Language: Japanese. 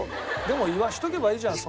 でも言わせておけばいいじゃん。